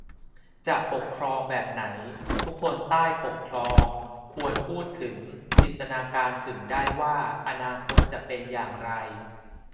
จะปกครองแบบไหน ทุกคนใต้ปกครองควรพูดถึงจินตนาการถึงได้ว่าอนาคตจะเป็นอย่างไร